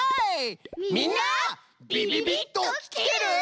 みんなびびびっときてる？